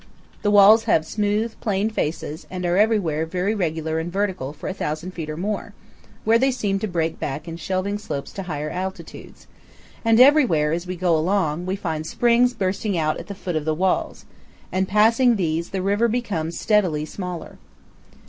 The walls have smooth, plain faces and are everywhere very regular and vertical for a thousand feet or more, where they seem to break back in shelving slopes to higher altitudes; and everywhere, as we go along, we find springs bursting out at the foot of the walls, and passing these the river above becomes steadily smaller.